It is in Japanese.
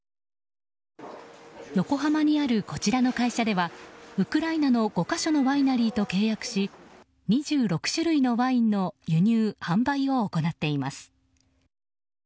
横浜にあるこちらの会社ではウクライナの５か所のワイナリーと契約し２６種類のワインの輸入・販売を行っています。